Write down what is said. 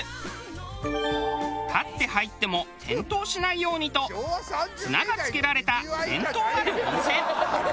立って入っても転倒しないようにと綱が付けられた伝統ある温泉。